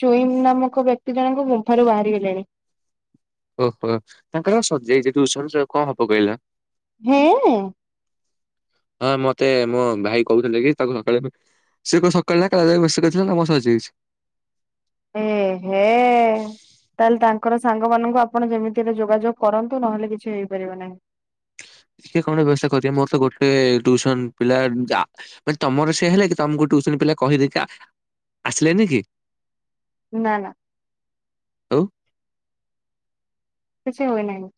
ଚୁଇମ ନାମକ ବ୍ୟକ୍ତି ଜଣଙ୍କୁ ମୁମ୍ଫାରୁ ବାହାରିଗଲେଣି। ଓହୋ ତାଙ୍କରଉ ସଜେଇଛି ଦୁସ କଣ ହବ କହିଲ? ହୁଁଉ। ହଁ ମତେ ମୋ ଭାଇ କହୁଥିଲେ କି ତାକୁ ସକାଳେ ସେ କ ସକାଳେ ନା କାସ୍ତ [unintelligible] କରିଥିଲା ନା ମ ସଜାଇଛି। ହୁଁ ହୁଁ ଉ। ତାହେଲେ ତାଙ୍କର ସାଙ୍ଗ ମାନଙ୍କୁ ଆପଣ ଯେମିତି ହେଲେ ଯୋଗାଯୋଗ କରନ୍ତୁ ନହେଲେ କିଛି ହେଇପାରିବେ ନାହିଁ। କିଏ କଣ ବ୍ୟବସ୍ଥା କରିବା ମୋର ତ ଗୋଟେ ଦୁ ପିଲା ଯା ମାନେ ତମର ସେ ହେଲେ କି ତମକୁ ଟୁସନ ପିଲା କହିଦେଖ ଆସିଲେ ନି କି? ନା ନା। ଆଉ। କିଛି ହୁଏ ନାହିଁ।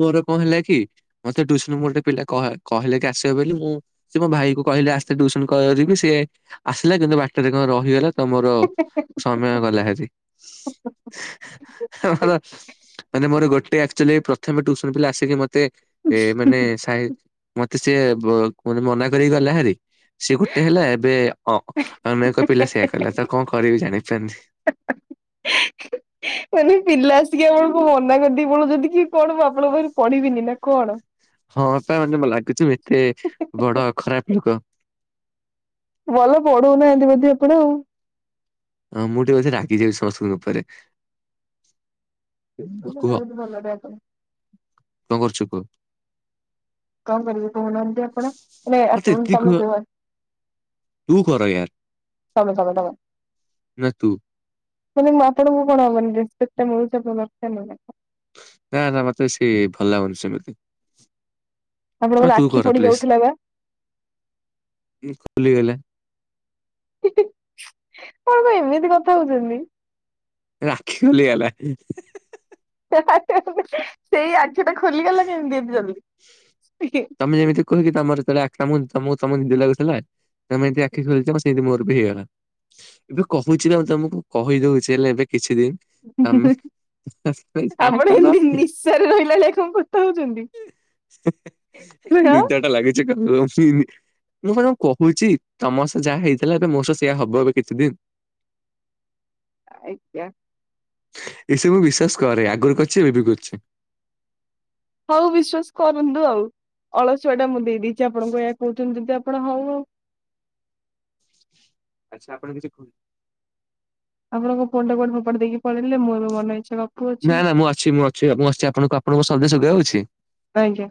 ମୋର କଣ ହେଲା କି ମତେ ଟୁସନ ଗୋଟେ ପିଲା କହି କହିଲେ କି ଆସିବ ବୋଲି ମୁଁ ସେ ମୋ ଭାଇ କୁ କହିଲେ ଆସିଲେ ଟ୍ୟୁସନ କରିବି ସିଏ ଆସିଲା କିନ୍ତୁ ବାଟରେ କଣ ରହିଗଲା। ତ ମୋର ସମୟ ଗଲା ହେରି। ମୋର ମାନେ ମୋର ଗୋଟେ ଟେ ଆଚ୍ୟାୁଲି ପ୍ରଥମେ ଟୁସନ ପିଲା ଆସିକି ମତେ ମାନେ ସହି ମତେ ସିଏ ବ ମନା କରିକି ଗଲା ହେରି। ସିଏ ଗୋଟେ ହେଲା ଏବେ ଅ ଅନେକ ପିଲା ସେଇୟଆ କଲା ତ କଣ କରିବି ଜାଣିପାରୁନି । [unintelligible] ମାନେ ପିଲା ଟିକେ ଆପଣ ମନା କରିଦେଇକି ପଲାଉଚନ୍ତି କି କଣ ମୁଁ ଆପଣଙ୍କ ପାଖ ପଢିବିନି ନା କଣ? ହଁ ତା ମାନେ ଲାଗୁଚି ଏତେ ବଡ ଖରାପ ଲୋକ ଭଲ ପଢୋଉନାହାନ୍ତି ବୋଧେ ଆପଣ ଆଉ ହଁ ମୁଁ ଟେ କଥାେ ରାଗିଯାଇଉଚି ସମସ୍ତଙ୍କ ଉପରେ [unintelligible] କୁହ ବୋହୁତ ଭଲରେ ଆପଣ କଣ କରୁଚୁ କହ? କଣ କରିବେ କହୁନାହାନ୍ତି ଆପଣ ମତେ ମାନେ ଏତିକି ତମେ କୁହ? ତୁ କର ୟାର ତମେ ତମେ ତମେ। ନା ତୁ ମାନେ ଆପଣଙ୍କୁ କଣ ମାନେ ରେସ୍ପେକ୍ଟଟା ମିଳୁଚି ଦରକାର ନାହିଁ ନା କଣ? ନା ନା ମତେ ସିଏ ଭଲ ଲାଗୁନି ସେମିତି ଆ ଆପଣଙ୍କର ତୁ ଆଖି କର ପଡି ଯାଉଥିଲା ବା। ପ୍ଲିଜ ଖୋଲି ଗଲା ହିଁ ହିଁ କଣ ଆପଣ ଏମିତି କଥା ହୋଉଛନ୍ତି? ରାଖି ଖୋଲିଗଲା ହେ ହେ ହେ ସେଇ ଆଖି ଟା ଖୋଲିଗଲା କେମିତି ଏଟେ ଜଲ୍ଦି ତମେ ଯେମିତି କୁହକି ତମର ତମର ଯେତେବେଳ [unintelligible] ତ ତମୁନ ତମୁ ତମୁନ ଲାଗୁ ଥିଲା ତମେ ଏମିତି ଆଖି ଖୋଲିଚ ସେମିତି ମୋର ବି ହେଇଗଲା। ଏବେ କୋହୁଛି ନା ମୁଉ ତମକୁ କହି ଦୋଉଛି ହେଲେ ଏବେ କିଛି ଦିନ ତମେ ତମେ ଯାହା ଆପଣ କର ଏତି ନିଶାରେ ରହିଲା ଭଳିଆ କଣ କଥା ହୋଉଛନ୍ତି ହେଁ ହେଁ ରେ ନିଦା ଟା ଲାଗୁଚି [unintelligible] ମୁଁ କଣ ମୁଁ କୋହୁଛି ତମ ସହ ଯାହା ହେଇଥିଲା ଏବେ ମୋ ସହ ସେଇଆ ହବ ଏବେ କେତେଦିନ [unintelligible] ଆଜ୍ଞା। ଏସବୁ ବିଶ୍ୱାସ କରେ ଆଗରୁ କରୁଚି ଏବେବି କରୁଚି ଆଉ ବିଶ୍ଵାସ କରନ୍ତୁ ଆଉ ଅଳସୁଆ ଟା ମୁଁ ଦେଇେଇଛି ଆପଣଙ୍କ କହୁଚନ୍ତି ଯଦି ଆ ପଣ ହୋ ଆଉ ଆଛା ଆପଣ କିଛି ଖୁ ଆପଣଙ୍କ ଫୋନଟା କୁଆଡ଼େ ଫୋପାଡ଼ି ଦେଇକି ପଳେଇେ ମୁଁ ବି ମନେଇଚ୍ଛା ଗପ ନା ନା ମୁଁ ଅଛି ମୁଁ ଅଛି ମୁଁ ଅଛି ଆପଣଙ୍କୁ ଆପଣଙ୍କୁ ଶବ୍ଦ ସୁଗା ଯାଉଛି? ଆଜ୍ଞା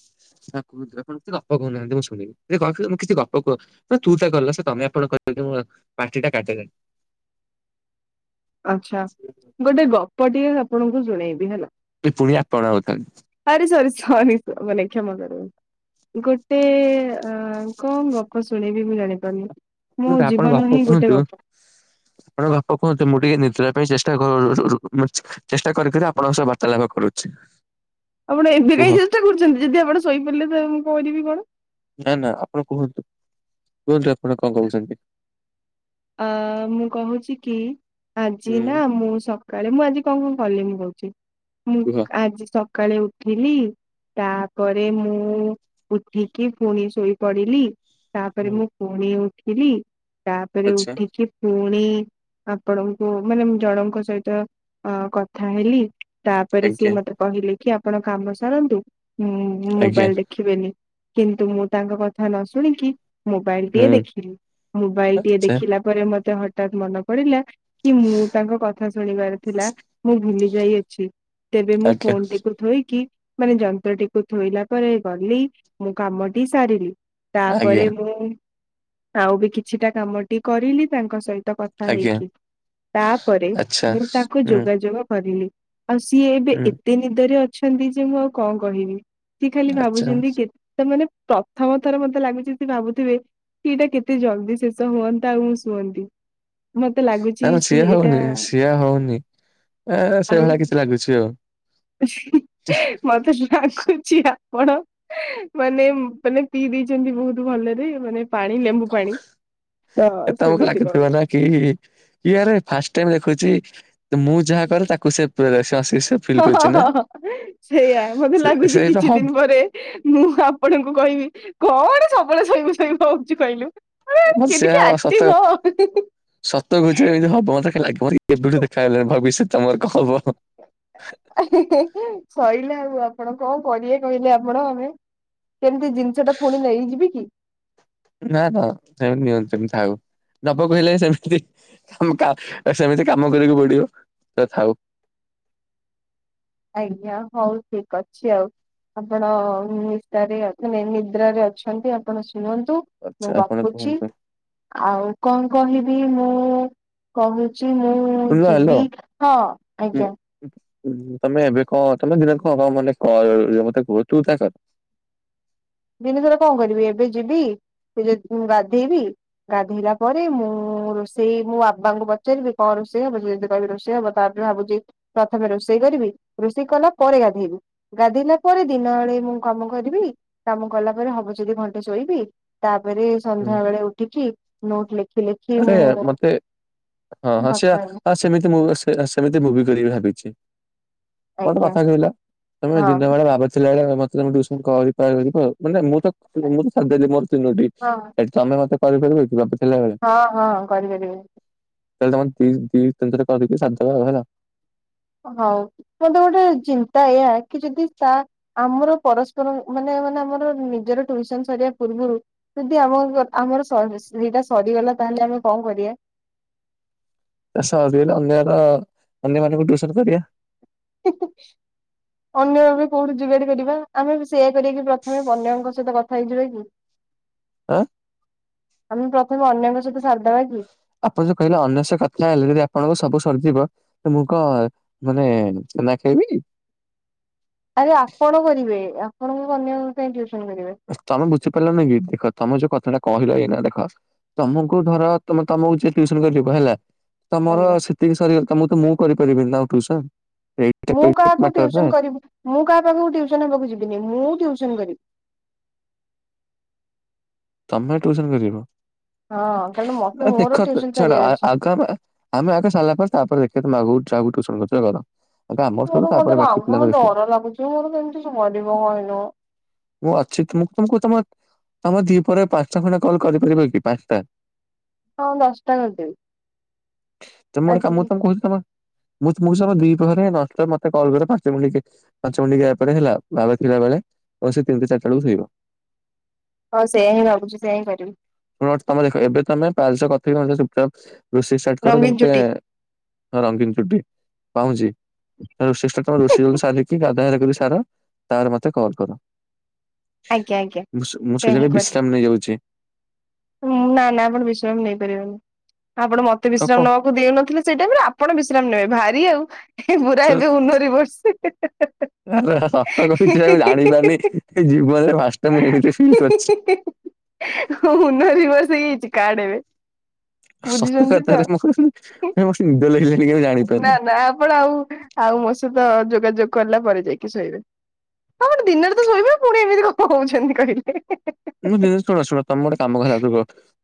[unintelligible] ଆପଣ କିଛି ଗପ କହୁନାହାନ୍ତି ମୁଁ ଶୁଣିମି ଦି କ କେ କିଛି ଗପ କୁହ ମାନେ ତୁ ତା କଲ ସେ ତମେ ଆପଣ କ ହିକି ପାଟିଟା କାଟିଲାଣି ଆଛା ଗୋଟେ ଗପଟିଏ ଆପଣଙ୍କୁ ଶୁଣେଇବି ହେଲା ପୁଣି ଆପଣ ଆଉତାହାନେ ଛରି ସ ମନେ କ୍ଷମା କର। ଗୋଟେ ଅ କଣ ଗପ ଶୁଣେଇବି ମୁଁ ଜାଣିପାରୁନି ମୋ କୁହନ୍ତୁ ଆପଣଙ୍କ ଜୀବନ ବାପ ହିଁ ଗୋଟେ କୁହନ୍ତୁ ଗପ। ଆପଣଙ୍କ ବାପ କୁହନ୍ତୁ ମୁଁ ଟିକେ ନି ଶୋଇବା ପାଇଁ ଚେଷ୍ଟା କ ରୁ ରୁ ମାନେ ଚେଷ୍ଟା କରି କରି ଆପଣଙ୍କ ସହ ବାର୍ତ୍ତାଳପ କରୁଚି ଆପଣ ଏବେ କାଇଁ ଚେଷ୍ଟା କରୁଚନ୍ତି ଯଦି ଆପଣ ଶୋଇପାରିଲେ ତ ମୁଁ କହିବି କଣ? ନା ନା ଆପଣ କୁହନ୍ତୁ କୁହନ୍ତୁ ଆପଣ କଣ କହୁଛନ୍ତି? ଆ ମୁଁ କହୁଛି କି ଆଜି ନା ହୁଁ ମୁଁ ସକାଳେ ମୁଁ ଆଜି କଣ କଣ କଲି ମୁଁ କହୁଛି ମୁଁ କୁହ ଆଜି ସ କାଳେ ଉଠିଲି ତାପରେ ମୁଁ ଉଠିକି ଫୁଣି ଶୋଇପଡିଲି ତାପରେ ମୁଁ ଫୁଣି ଉଠିଲି ତାପରେ ଆଚ୍ଛା ଉଠିକି ଫୁ ଫୁଣି ଆପଣଙ୍କୁ ମାନେ ଜଣଙ୍କ ସହିତ ଅ କଥା ହେଲି। ତାପରେ ସିଏ ଆଜ୍ଞା ମତେ କହିଲେ କି ଆପଣ କାମ ସାରନ୍ତୁ ମୁଁ ମୁଁ ଆଜ୍ଞା ମୋବାଇଲ ଦେଖିବେନି। କିନ୍ତୁ ମୁଁ ତାଙ୍କ କଥା ନ ଶୁଣିକି ମୋବାଇଲ ଟିଏ ହୁଁ ଦେଖିଲି ମୋବାଇଲ ଟିଏ ଦେଖ ଆଚ୍ଛା ଦେଖିଲା ପରେ ମତେ ହଠାତ୍ ମନେ ପଡିଲା କି ମୁଁ ତାଙ୍କ କଥା ଶୁଣିବାର ଥିଲା ମୁଁ ଭୁଲି ଯାଇଅଛି। ତେବେ ମୁଁ ଆଜ୍ଞା ଫୋନଟିକୁ ଥୋଇକି ମାନେ ଯନ୍ତ୍ରଟିକୁ ଥୋଇଲା ପରେ ଗଲି ମୁଁ କାମଟି ସାରିଲି। ଆଜ୍ଞା ତାପରେ ମୁଁ ଆଉ ବି କିଛିଟା କାମଟି କରିଲି ତାଙ୍କ ସହି ତ କଥା ଆଜ୍ଞା ହେଇକି ତାପରେ ଆଚ୍ଛା ମୁଁ ତାକୁ ହୁଁ ଯୋଗାଯୋଗ କରିଲି। ଆଉ ସିଏ ଏବେ ହୁଁ ଏତେ ନିଦରେ ଅଛନ୍ତି ଯେ ମୁଁ ଆଉ କଣ କହିବି। କି ଖାଲି ଆଚ୍ଛା ଭାବୁଛନ୍ତି କେ ତାମାନେ ପ୍ରଥମ ଥର ମତେ ଲାଗୁଛି ସେ ଭାବୁଥିବେ କି ଏଇଟା କେତେ ଜଲ୍ଦି ଶେଷ ହୁଅ ନ୍ତା ମୁ ଶୁଅନ୍ତି। ମତେ ଲାଗୁଛି ନା ନା ସିଏ ଏଇଟା ହଉନି ସିଆ ହଉନି। ଏ ସେଇଭଳିଆ କିଛି ଲାଗୁଛି ଆଉ। ହିଁ ମତେ ଲାଗୁଚି ଆ କଣ ମାନେ ମାନେ ପିଇ ଦେଇଛନ୍ତି ବହୁତ ଭଲରେ ମାନେ ପାଣି ଲେମ୍ବୁ ପାଣି ତ ଏ ତମକୁ ସେମିତି କଣ ଲାଗୁଥିବ ନା କି ଇଏରେ ଫାଷ୍ଟ ଟାଇମ ଦେଖୁଛି ମୁଁ ଯାହା କରେ ତାକୁ ସେ ପ୍ରେରସସ ହଁ ହଁ ହ ସେଇୟା ମତେ ଲାଗୁଛି ସେଇଟା କିଛି ହବ ଦିନ ପରେ ମୁଁ ଆପଣଙ୍କୁ କହି ବି କଣ ସବୁବେଳେ ଶୋଇବୁ ଶୋଇ ହଉଛି କହିଲୁ। ହ ମତେ କେ ସେ ଟିକେ ସତ ଆକ୍ଟିଭ ହୋ। ସତ କହୁଛି ଏମିତି ହବ ମତେ କାଇଁ ଲାଗେ ମତେ ଏବେଠୁ ଦେଖା ହେଲାଣି ଭବିଷ୍ୟ ତମର କଣ ହବ? ହଁ ହିଁ ହିଁ ସଇଲା ଆଉ ଆପଣ କଣ କରିବେ କହିଲେ ଆପଣ ଆମେ କେମିତି ଜିନିଷ ଟା ପୁଣି ନେଇଯିବି କି? ନା ନା ସେମି ନିଅନ୍ତୁନି ଥାଉ। ନବ କହିଲେ ସେମିତି ତମେ କା ସେମିତି କାମ କରିବାକୁ ପଡିବ। ତଥାଉ। ଆଜ୍ଞା ହଉ ଠିକ ଅଛି ଆଉ। ଆପଣ ନିଶାରେ ମାନେ ନିଦ୍ରାରେ ଅଛନ୍ତି ଆପଣ ସୋ ଶୁଅନ୍ତୁ ଆଚ୍ଛା ମୁଁ ଆପଣ ରଖୁଛି। କୁହନ୍ତୁ ଆଉ କଣ? କହିବି ମୁଁ କହୁ ଚି ମୁଁ ଶୁଣିଲ ହ୍ୟାଲୋ। ଯିବି ହଁ ଆଜ୍ଞା ହୁଁ ତମେ ଏବେ କଣ ତମେ ଦିନ କଣ ହ ମାନେ କର ମତେ କୁହ ତୁ ତା କର? ଦିନ ସାରା କଣ କରିବି। ଏବେ ଯିବି ଯ ଗାଧେଇବି ଗାଧେଇଲା ପରେ ମୁଁ ରୋଷେଇ ମୁଁ ବାବାଙ୍କୁ ପଚାରିବି କଣ ରୋଷେଇ ହବ? ସେ ଯଦି କହିବେ ରୋଷେଇ ହବ ତା ଭାବୁଛି ପ୍ରଥମେ ରୋଷେଇ କରିବି ରୋଷେଇ କଲା ପରେ ଗାଧେଇବି ଗାଧେଇଲା ପରେ ଦିନବେଳେ ମୁଁ ମୁଁ କାମ କରିବି କାମ କଲା ପରେ ହବ ଯଦି ଘଣ୍ଟେ ଶୋଇବି। ତାପରେ ସନ୍ଧ୍ୟା ବେଳେ ଉଠିକି ନୋଟ ଲେଖ ଆରେ ମତେ ହଁ କଥା ହେବି ସେଇଆ ସେମିତି ମୁ ଵ ହ ସେମିତି ମୁ ବି କରିବି ଭାବିଛି। ଗୋଟେ ଆଜ୍ଞା କଥା କହିଲ ତମେ ଦିନ ହଁ ବେଳେ ବାଵୁ ଥିଲା ବେଳେ ମତେ ମତେ ତମେ ଟିଉସନ କରିପାରିବ ମାନେ ମୁଁ ତ ମୁଁ ତ ସାରି ଦେଲି ମୋର ତିନୋଟି ହଁ ଏ ତମେ ମତେ କରିପାରିବ ଏକ ବାବୁ ଥିଲାବେଳେ? ହଁ ହଁ କରି ପାରିବି। ତାହାଲେ ତମର ଦି ଦି ତିନି ଥର କରିକି ସାରି ଦବ ଆଉ ହେଲା। ହଉ ମତେ ଗୋଟେ ଚିନ୍ତା ଏଇଆ କି ଯଦି ତା ଆମର ପରସ୍ପର ମାନେ ମାନେ ଆମର ନିଜର ଟ୍ୟୁସନ ସରିବା ପୂର୍ବରୁ ଯଦି ଆମ ଆମର ସ ସେଟା ସରିଗଲା ତ ତାହେଲେ ଆମେ କଣ କରିବା? ସରିଗଲେ ଅନ୍ୟର ଅନ୍ୟ ମାନଙ୍କୁ ଟ୍ୟୁସନ କରିବା। ହେଁ ହେଁ ଅନ୍ୟ ବି କୋଉଠି ଯୁଗାଡି କରିବା ଆମେ ବି ସେୟା କରିବା କି ପ୍ରଥମେ ଅନ୍ୟମାନଙ୍କ ସହିତ କଥା ହେଇଯିବା କି? ଆଁ? ଆମେ ପ୍ରଥମେ ଅନ୍ୟଙ୍କ ସହିତ ସାରିଦବା କି? ଆପଣ ଯୋଉ କହିଲେ ଅନ୍ୟ ସହ କଥା ହେଲେ ଯଦି ଆପଣଙ୍କ ସବୁ ସରିଯିବ ମୁ କଣ ମାନେ ଛେନା ଖାଇବି। ଆରେ ଆପଣ କରିବେ ଆପଣଙ୍କ ବନ୍ୟା ଙ୍କ ପାଇଁ ଜୁ ତମେ ବୁଝିପାରିଲ ନିକି ଦେଖ ତମେ ଯୋଉ କଥାଟା କହିଲ ଏଇନା ଦେଖ ତମୁକୁ ଧର ତୁମେ ତମକୁ ଯିଏ ଟ୍ୟୁସନ କରିଯିବ ହେଲା ତମର ଆଜ୍ଞା ସେତିକି ସରିଗଲା ତମକୁ ମୁଁ କରିପାରିବିନି ନା ଆଉ ଟ୍ୟୁସନ୍। ମୁଁ କାହାକୁ ଟ୍ୟୁସନ୍ କରିବି ମୁଁ କାହା ପାଖୁକୁ ଟ୍ୟୁସନ୍ ହେବାକୁ ଯିବିନି ମୁଁ ଟ୍ୟୁସ୍ ସନ୍ କରିବ୍ ତମେ ଟ୍ୟୁସନ୍ କରିବ? ହଁ କାରଣ ମତେ ନାଇ ମୋର ଦେଖ ଟ୍ୟୁସନ ଛାଡ ସାରିବାର ଅଛି। ଆଗ ଆମେ ଆମେ ଆଗ ସାଲା ପ ତାପରେ ମାଗୁ ଯାକୁ ଟ୍ୟୁସନ୍ କରୁଥୁଲ କର। ଆଗ ଆମର ସରୁ ମୋର କଁ ତାପରେ ବାକି ପିଲାଙ୍କୁ ଦେଖିବ ଡର ଲାଗୁଛି ମୋର କେମିତି ସରିବ କହିଲ? ମୁଁ ଅଛି ତୁମୁ କୁ ତୁମ ଆମ ଦିପହରେ ପାଞ୍ଚ ଖଣ୍ଡ କଲ୍ କରିପାରିବା କି ପାଞ୍ଚଟା? ହଁ ଦଶଟା କରି ଦେବି। ତମେ ଗୋଟେ କାମ ତ କୋଉ ତମେ ମୁଁ ତୁମ ସହ ଦିପହରେ ମତେ ମତେ କଲ୍ କରିବ ପାଞ୍ଚ ମିନିଟ୍ ପାଞ୍ଚ ମିନିଟ୍ ଗ୍ୟାପରେ ହେଲା ବାବା ଥିଲା ବେଳେ। ଆଉ ସେ ତିନିଟା ଚାରିଟା ବେଳକୁ ଶୋଇବ। ହଁ ସେଇୟା ହିଁ ଭାବୁଛି ସେଇୟା ହିଁ କରିବି ତମେ ଦେଖ ଏବେ ତମେ ପାୟେଲ ସ ଚୁପଚାପ ରୋଷେଇ ଷ୍ଟାର୍ଟ୍ କର ରଙ୍ଗୀନ ଚୁଟି ରଙ୍ଗୀନ ଚୁଟି ପାଉଁଜି ରୋଷେଇ ତମେ ରୋଷେଇ ସାରିକି ଗାଧ୍ ବାହାର କରି ସାର ତାପରେ ମତେ କଲ୍ କର। ଆଜ୍ଞା ଆଜ୍ଞା। ସେଇୟା ହିଁ ଏବେ କରିବି ବିଶ୍ରାମ୍ ନେଇ ଯାଉଚି। ନା ନା ଆପଣ ବିଶ୍ରାମ ନେଇ ପାରିବେନି। ଆପଣ ମତେ ଆଉ ବିଶ୍ରାମ୍ କଣ ନବାକୁ ଦେଉନଥିଲେ ସେଇ ଟାଇମରେ ଆପଣ ବିଶ୍ରାମ୍ ନେବେ ଭାରି ଆଉ ଛ ଏବୁରା ଏବେ ଉନରେ ବର୍ଷ୍ ହେ ହେ ହେ ହେ ଏ। ଆରେ ସତ କହୁଛି ମୁଁ ଜାଣି ପାରୁନି ଜୀବନରେ ଫାର୍ଷ୍ଟ ଟାଇମ୍ ଏମିତି ଫିଲ୍ କରୁଚି। ଉନୋ ଦିବସ ହେଇଯାଇଛି କାଡେବେ ସତ କଥାରେ ମତେ ନିଦ ଲାଗିଲାଣି କି ମୁଁ ଜାଣିପାରୁନି। ନା ନା ଆପଣ ଆଉ ଆଉ ମୋ ସହିତ ଯୋଗାଯୋଗ କଲା ପରେ ଯାଇକି ଶୋଇବେ। ହଁ ଣ ଦିନରେ ତ ଶୋଇବେ ପୁଣି ଏମିତି କଣ ହୋଉଚନ୍ତି କହିଲେ? ମୁଁ ଦିନେ ଶୁଣ ଶୁଣ ତମେ ଗୋଟେ କାମ କର ରୁ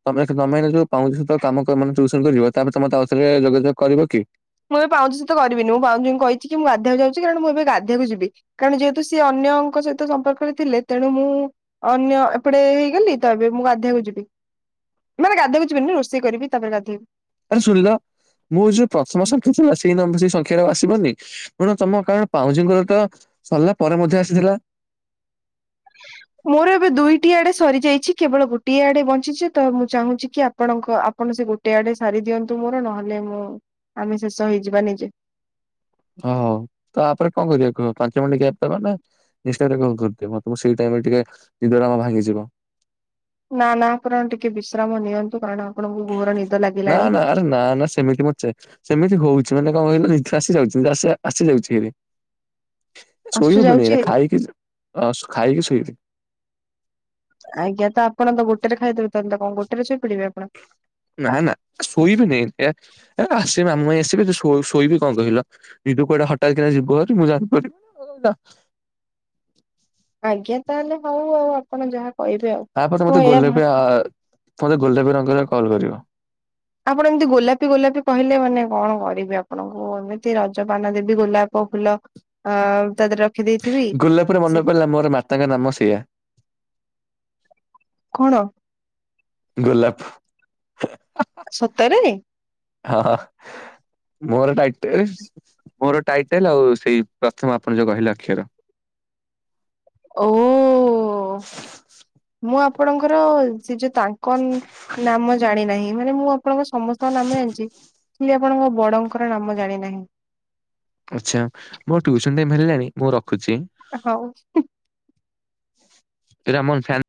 ତମେ ତମେ ଏଇନା ଯୋଉ ପାଉଁଜି ସହିତ କାମ ମାନେ ଟ୍ୟୁସନ୍ କରିବ ତାପରେ ତମେ ମତେ ଆଉ ଥରେ ଯୋଗାଯୋଗ କରିବ କି? ମୁଁ ଏବେ ପାଉଁଜି ସହିତ କରିବି ନି ମୁଁ ପାଉଁଜିଙ୍କୁ କହିଚି କି ଗାଧେଇଆକୁ ଯାଉଚି କାରଣ ମୁଁ ଏବେ ଗାଧେଇଆକୁ ଯିବି କାରଣ ଯେହେତୁ ସିଏ ଅନ୍ ନ୍ୟଙ୍କ ସହିତ ସମ୍ପର୍କରେ ଥିଲେ ତେଣୁ ମୁଁ ଅନ୍ୟ ଏପଟେ ହେଇଗଲି ତ ଏବେ ମୁଁ ଗାଧେଇଆକୁ ଯିବି। ମାନେ ଗାଧେଇଆକୁ ଯିବିନି ରୋଷେଇ କରିବି ତାପରେ ଗାଧେଇବି। ଆରେ ଶୁଣିଲ ମୋର ଯୋଉ ପ୍ରଥମ ସଂଖ୍ୟା ଥିଲା ସେଇ ନମ୍ୱ ସେ ସଂଖ୍ ଖ୍ୟାର ଆଉ ଆସିବନି ତମ କାରଣ ପାଉଁଜିଙ୍କର ତ ସରିଲା ପରେ ମଧ୍ୟ ଆସିଥିଲା। [inaudible] ମୋର ଏବେ ଦୁଇଟି ଆଡେ ସରିଯାଇଛି କେବଳ ଗୋଟିଏ ଆଡେ ବଞ୍ଚିଛି ତ ମୁଁ ଚାହୁଁଛି କି ଆପଣଙ୍କ ଆପଣ ସେ ଗୋଟେ ଆଡେ ସାରି ଦିଅନ୍ତୁ ମୋର ନହେଲେ ମୁଁ ଆମେ ଶେଷ ହେଇଯିବା ନିଜେ। ହଁ ଯୋଉ। ତାପରେ କଁ କରିବା କୁହ ପାଞ୍ଚ ମିନ୍ଟି ଗ୍ୟାପ୍ ଦବା ନା ଇନ୍ସ୍ଟାରେ କଲ୍ କରିଦିଅ ମତେ ମୁ ସେଇ ଟାଇମ୍ ରେ ଟିକେ ଦରାମ ଭାଙ୍ଗିଯିବ। ନାଁ ନାଁ ଆପଣ ଟିକେ ବିଶ୍ରାମ ନିଅନ୍ତୁ କାରଣ ଆପଣଙ୍କୁ ଘୋର ନିଦ ନା ଲାଗିଲାଣି। ନା ଆରେ ନା ନାଁ ସେମିତି ମୁ ଚେ ସେମିତି ହୋଉ ଛେ ମାନେ କଁ କହିଲ ଦୁଇଥର ଆସି ଯାଉଛନ୍ତି ଆସ ଆସି ଯାଉଛିି ଖାରି ଆସୁଛି ଶୋଇ ହବନି ଯାଉଛି ହେରି। ଖାଇକି ଅ ଖାଇକି ଶୋଇବି। ଆଜ୍ଞା ତ ଆପଣ ତ ଗୋଟେରେ ଖାଇଦେଉତେ ତ କଣ ଗୋଟେରେ ସୋଇ ପଡିବେ ଆପଣ? ନା ନା ଶୋଇବି ନି ଏ ଏ ଆସିବେ ମାମୁ ମାଇଁ ଆସିବି ଶୋଇବି କଁ କହିଲ। ଦିଦୁ କୁଆଡେ ହଟାତ୍ କିନା ଯିବ ମୁଁ ଜାଣିପାରି ଆଜ୍ଞା ତାହେଲେ ହୋଉ ଆଉ ଆପଣ ଯାହା କହିବେ ଆଉ। ଆପରେ ମୁଁ ମତେ ଏଇଆ ଭାବ ଗୋଲେପେ ଆ ମତେ ଗୋଲେପେ ରଙ୍ଗରେ କଲ୍ କରିବ। ଆପଣ ଏମିତି ଗୋଲାପୀ ଗୋଲାପୀ କହିଲେ ମାନେ କଣ କରିବି ଆପଣଙ୍କୁ। ଏମିତି ରଜପାନ ଦେବି ଗୋଲାପ ଫୁଲ ଅଁ ତା ଦେହର ଗୋଲାପରେ ମନେ ପଡିଲା ମୋର ମାତାଙ୍କ ନାମ ସେଇଆ। କଣ? ଗୋଲାପି ହେଁ। ସତରେ। ହଁ। ମୋର ଟାଇଟେସ ମୋର ଟାଇଟେଲ ଆଉ ସେଇ ପ୍ରଥମ ଆପଣ ଯୋଉ କହିଲେ ଅକ୍ଷର। ହଁ ଓ ମୁଁ ଆପଣଙ୍କର ସେ ଯୋଉ ତା କଣ ନାମ ଜାଣି ନାହିଁ। ମାନେ ମୁଁ ଆପଣଙ୍କ ସମସ୍ତଙ୍କ ନାମ ଜାଣିଚି। ଖାଲି ଆପଣଙ୍କ ବଡଙ୍କର ନାମ ଜାଣିନାହିଁ। ଆଛା ମୋ ଟିଉସନ ଟାଇମ ହେଲାଣି। ମୁଁ ରଖୁଛି। ହଉ। ହୁଁ । ଏଇଟା ଆମର ଫ୍ୟ୲ନ।